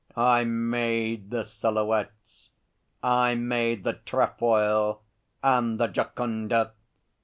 'I made the Silhouettes I made the Trefoil and the Jocunda.